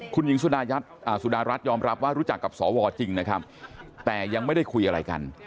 คุณหญิงสุดารัฐยอมรับว่ารู้จักกับสวจริงนะครับแต่ยังไม่ได้คุยอะไรกัน